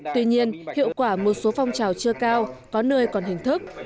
tuy nhiên hiệu quả một số phong trào chưa cao có nơi còn hình thức